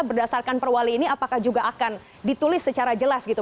berdasarkan perwali ini apakah juga akan ditulis secara jelas gitu